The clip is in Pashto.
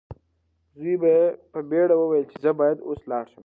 زوی یې په بیړه وویل چې زه باید اوس لاړ شم.